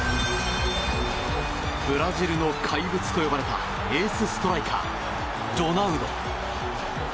ブラジルの怪物と呼ばれたエースストライカー、ロナウド。